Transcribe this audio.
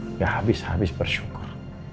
nggak habis habis bersyukur